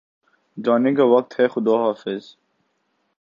جانے کا وقت ہےخدا حافظ